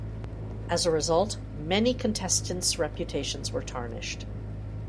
As a result, many contestants' reputations were tarnished.